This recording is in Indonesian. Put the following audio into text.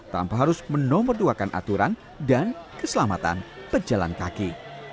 tanpa harus menomorduakan aturan dan keselamatan pejalan kaki